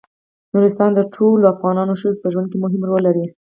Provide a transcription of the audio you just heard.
نورستان د ټولو افغان ښځو په ژوند کې مهم رول لري.